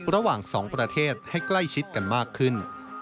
ระหว่างสองประเทศให้ใกล้ชิดกันมากขึ้น